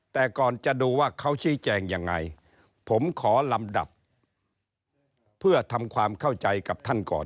แต่ก่อนจะดูว่าเขาชี้แจงยังไงผมขอลำดับเพื่อทำความเข้าใจกับท่านก่อน